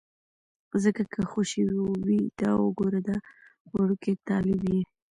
ځکه که خوشې وي، دا وګوره دا وړوکی طالب یې.